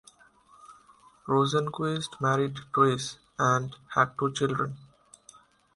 Rosenquist married twice and had two children.